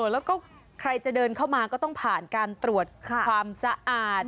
แล้วก็ใครจะเดินเข้ามาก็ต้องผ่านการตรวจความสะอาด